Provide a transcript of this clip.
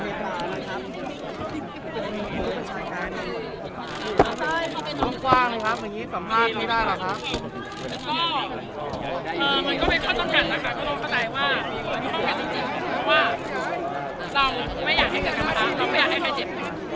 เพราะว่าเราไม่อยากให้เจ็บกันนะคะเราไม่อยากให้ใครเจ็บ